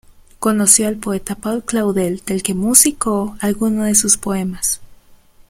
Conoció al poeta Paul Claudel, del que musicó alguno de sus poemas.